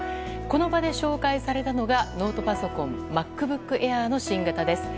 この場で紹介されたのがノートパソコンＭａｃＢｏｏｋＡｉｒの新型です。